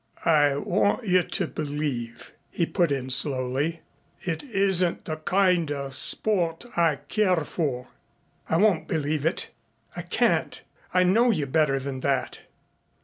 "I want you to believe," he put in slowly, "it isn't the kind of sport I care for." "I won't believe it. I can't. I know you better than that."